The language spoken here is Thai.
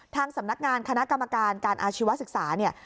ทางสำนักงานคณะกรรมการการอาชีวศึกษาเนี่ย